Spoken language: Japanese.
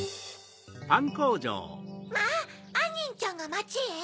・まぁあんにんちゃんがまちへ？